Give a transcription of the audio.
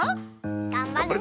がんばるぞ！